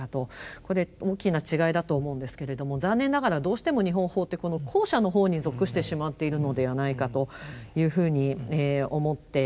これ大きな違いだと思うんですけれども残念ながらどうしても日本法ってこの後者の方に属してしまっているのではないかというふうに思っています。